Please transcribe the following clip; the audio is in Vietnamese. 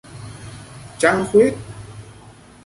Trăng khuyết